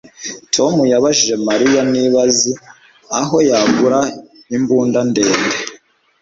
Tom yabajije Mariya niba azi aho yagura imbunda ndende